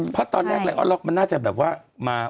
เพราะตอนแรกไลออนล็อกมันน่าจะแบบว่ามา